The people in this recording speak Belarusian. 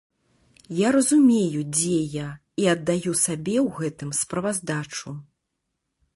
Я разумею, дзе я, і аддаю сабе ў гэтым справаздачу.